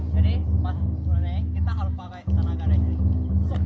jadi pas menang kita harus pakai tenaga deh